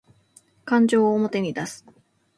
感情を表に出す